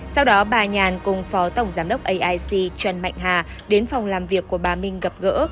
sau đó bà nhàn cùng phó tổng giám đốc aic trần mạnh hà đến phòng làm việc của bà minh gặp gỡ